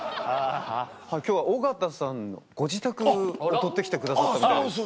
今日は尾形さんのご自宅を撮って来てくださったみたいです。